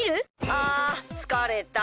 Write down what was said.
あつかれた。